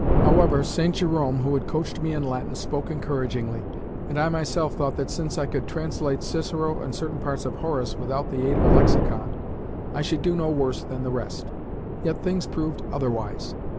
However, St. Jerome, who had coached me in Latin, spoke encouragingly, and I myself thought that, since I could translate Cicero and certain parts of Horace without the aid of a lexicon, I should do no worse than the rest. Yet things proved otherwise.